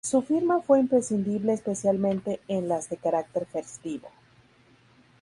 Su firma fue imprescindible especialmente en las de carácter festivo.